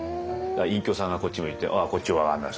隠居さんがこっち向いて「ああこっちお上がんなさい」。